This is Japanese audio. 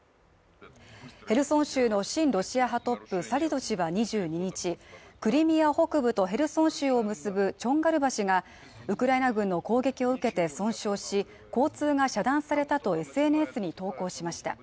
ヘルソン州の親ロシア派トップサリド氏は２２日クリミア北部とヘルソン州を結ぶチョンガル橋がウクライナ軍の攻撃を受けて損傷し、交通が遮断されたとＳＮＳに投稿しました。